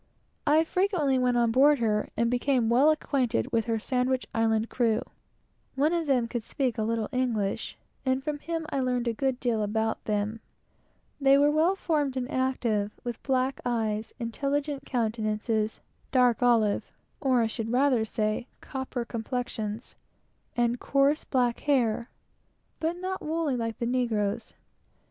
I frequently went on board her, and became very well acquainted with her Sandwich Island crew. One of them could speak a little English, and from him I learned a good deal about them. They were well formed and active, with black eyes, intelligent countenances, dark olive, or, I should rather say, copper complexions and coarse black hair, but not woolly like the negroes.